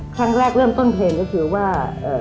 ครั้งแรกเริ่มต้นเพลงก็คือว่า